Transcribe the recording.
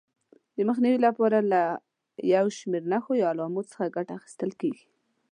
د مخنیوي لپاره له یو شمېر نښو یا علامو څخه ګټه اخیستل کېږي.